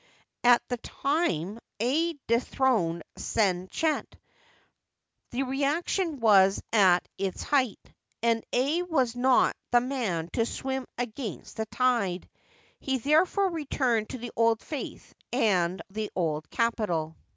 At the time Ai dethroned Sanecht, the reaction was at its height, and Ai was not the man to swim against the tide. He therefore returned to the old faith and the old capital.